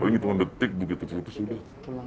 paling gitu nge detik begitu begitu sudah